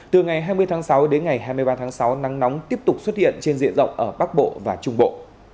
từ ngày hai mươi tháng sáu đến ngày hai mươi ba tháng sáu nắng nóng tiếp tục xuất hiện trên diện rộng ở bắc bộ và trung bộ